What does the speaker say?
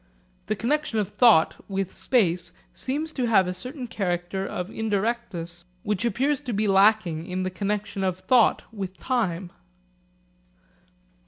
The connexion of thought with space seems to have a certain character of indirectness which appears to be lacking in the connexion of thought with time.